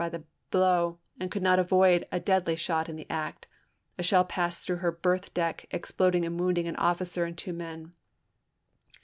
by the blow, and could not avoid a deadly shot in the act; a shell passed through her berth deck, exploding and wounding an officer and two men.